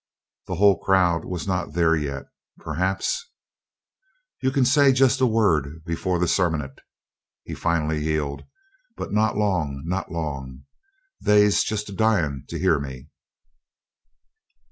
The whole crowd was not there yet perhaps "You kin say just a word before the sermont," he finally yielded; "but not long not long. They'se just a dying to hear me."